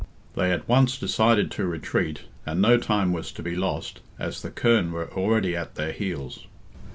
They at once decided to retreat, and no time was to be lost, as the Kern were already at their heels.